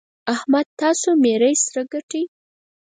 احمده! تاسو څه ميرۍ سره ګټئ؟!